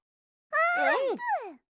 あーぷん！